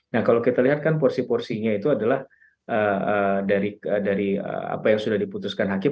nah kalau kita lihat kan porsi porsinya itu adalah dari apa yang sudah diputuskan hakim